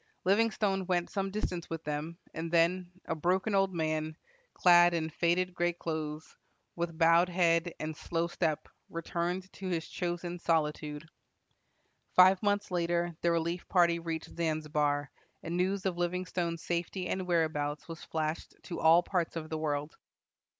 Livingstone went some distance with them, and then, a broken old man, "clad in faded gray clothes," with bowed head and slow step, returned to his chosen solitude. Five months later the relief party reached Zanzibar, and news of Livingstone's safety and whereabouts was flashed to all parts of the world.